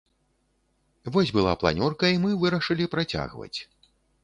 Вось была планёрка і мы вырашылі працягваць.